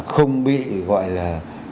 không bị gọi là